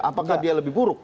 apakah dia lebih buruk